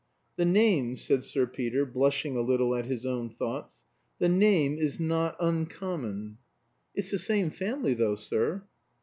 "The name," said Sir Peter, blushing a little at his own thoughts, "the name is not uncommon." "It's the same family, though, sir."